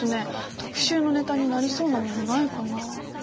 特集のネタになりそうなものないかな。